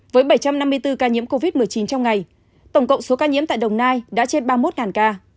với bảy trăm năm mươi bốn ca nhiễm covid một mươi chín trong ngày tổng cộng số ca nhiễm tại đồng nai đã trên ba mươi một ca